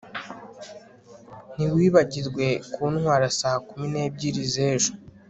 Ntiwibagirwe kuntwara saa kumi nebyiri zejo